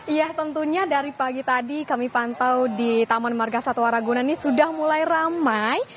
iya tentunya dari pagi tadi kami pantau di taman marga satwa ragunan ini sudah mulai ramai